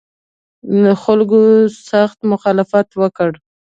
خلکو سخت مخالفت وکړ.